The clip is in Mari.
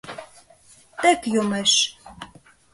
Тек йомеш!